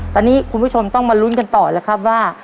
ตอนนี้คุณผู้ชมต้องมาลุ้นกันต่อแล้วครับว่า